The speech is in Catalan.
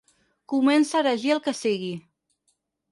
Comença a erigir el que sigui.